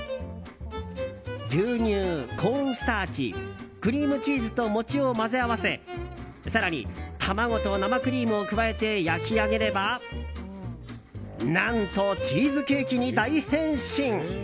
牛乳、コーンスターチクリームチーズと餅を混ぜ合わせ更に、卵と生クリームを加えて焼き上げれば何と、チーズケーキに大変身。